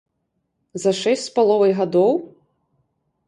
За шэсць з паловай гадоў?